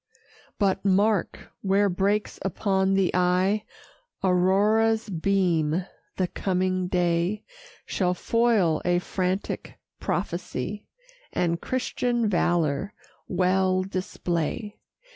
But mark! where breaks upon the eye Aurora's beam. The coming day Shall foil a frantic prophecy, And Christian valor well display.